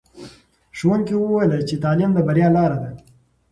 ښوونکي وویل چې تعلیم د بریا لاره ده.